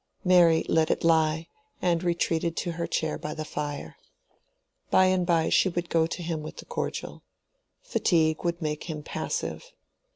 Mary let it lie, and retreated to her chair by the fire. By and by she would go to him with the cordial. Fatigue would make him passive.